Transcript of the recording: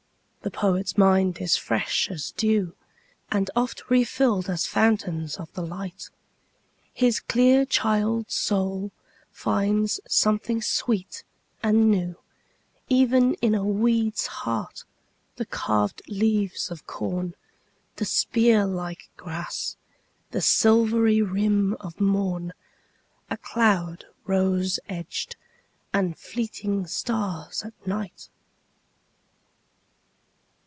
The poet's mind is fresh as dew, And oft refilled as fountains of the light. His clear child's soul finds something sweet and newEven in a weed's heart, the carved leaves of corn, The spear like grass, the silvery rim of morn,A cloud rose edged, and fleeting stars at night!